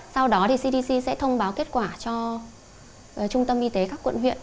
sau đó cdc sẽ thông báo kết quả cho trung tâm y tế các quận huyện